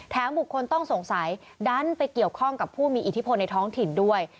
บุคคลต้องสงสัยดันไปเกี่ยวข้องกับผู้มีอิทธิพลในท้องถิ่นด้วย